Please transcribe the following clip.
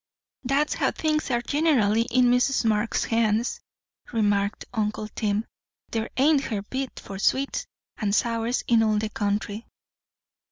"That's how things are gen'ally, in Mrs. Marx's hands," remarked uncle Tim. "There ain't her beat for sweets and sours in all the country."